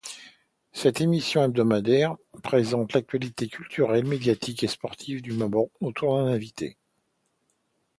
Cette émission hebdomadaire présente l'actualité culturelle, médiatique et sportive du moment autour d'un invité.